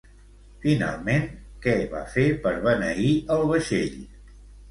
Finalment, què va fer per beneir el vaixell?